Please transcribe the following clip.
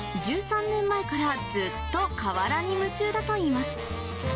１３年前からずっと瓦に夢中だといいます。